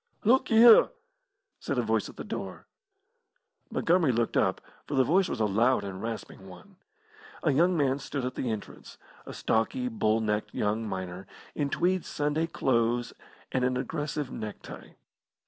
"Look y'ere!" said a voice at the door. Montgomery looked up, for the voice was a loud and rasping one. A young man stood at the entrance a stocky, bull necked young miner, in tweed Sunday clothes and an aggressive neck tie.